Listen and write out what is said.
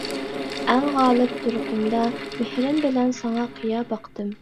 ئەڭ غالىب تۇرقۇمدا مېھرىم بىلەن ساڭا قىيا باقتىم.